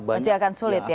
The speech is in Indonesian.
pasti akan sulit ya